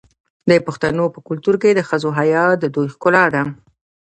د پښتنو په کلتور کې د ښځو حیا د دوی ښکلا ده.